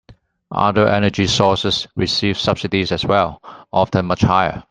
Other energy sources receive subsidies as well, often much higher.